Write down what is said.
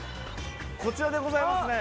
こちらでございますね。